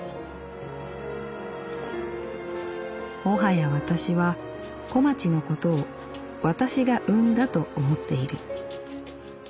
「もはや私は小町のことを私が産んだと思っている」。